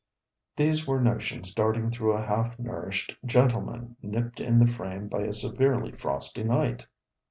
These were notions darting through a half nourished gentleman nipped in the frame by a severely frosty night.